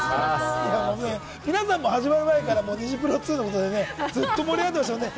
皆さんも始まる前からニジプロ２のことでね、ずっと盛り上がっていましたもんね